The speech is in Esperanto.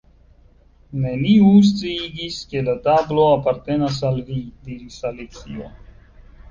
"Neniu sciigis ke la tablo apartenas al vi " diris Alicio.